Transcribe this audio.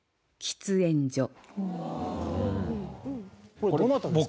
これどなたですか？